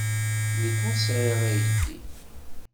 Nekk ur sɛiɣ aydi.